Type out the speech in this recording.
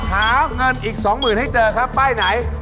หาเงินอีก๒๐๐๐๐ให้เจอครับป้ายไหน